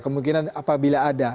kemungkinan apabila ada